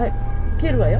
切るわよ？